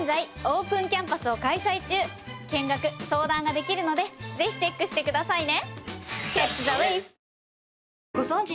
現在見学相談ができるのでぜひチェックしてくださいね。